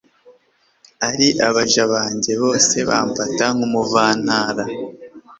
ari abaja banjye, bose bamfata nk'umuvantara